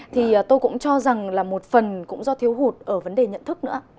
thì tôi cũng cho rằng là một phần cũng do thiếu hụt ở vấn đề nhận thức nữa